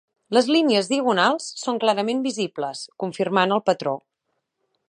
Les línies diagonals són clarament visibles, confirmant el patró.